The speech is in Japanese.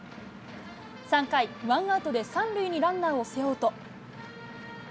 ３回、ワンアウトで３塁にランナーを背負うと。